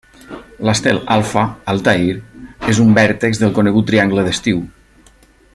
L'estel alfa, Altair, és un vèrtex del conegut Triangle d'Estiu.